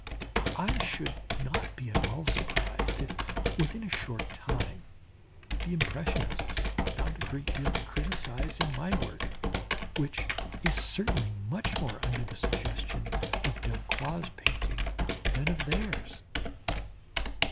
I should not be at all surprised if, within a short time, the impressionists found a great deal to criticize in my work, which is certainly much more under the suggestion of Delacroix' painting than of theirs.